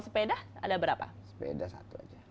sepeda ada berapa sepeda satu aja